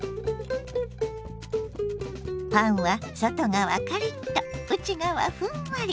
パンは外側カリッと内側ふんわり。